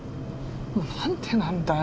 なんでなんだよ。